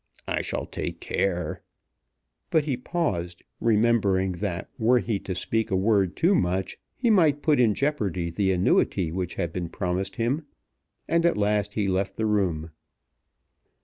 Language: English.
I shall take care " But he paused, remembering that were he to speak a word too much, he might put in jeopardy the annuity which had been promised him; and at last he left the room.